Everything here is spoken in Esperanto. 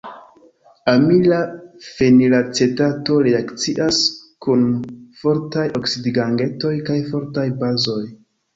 Amila fenilacetato reakcias kun fortaj oksidigagentoj kaj fortaj bazoj.